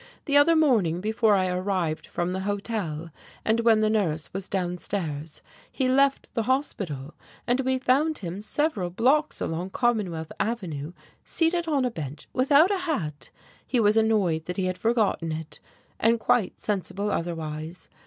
The other morning, before I arrived from the hotel and when the nurse was downstairs, he left the hospital, and we found him several blocks along Commonwealth Avenue, seated on a bench, without a hat he was annoyed that he had forgotten it, and quite sensible otherwise.